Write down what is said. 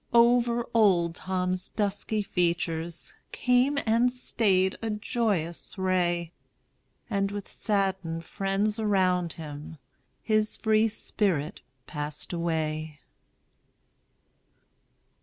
Over old Tom's dusky features Came and stayed a joyous ray; And with saddened friends around him, His free spirit passed away.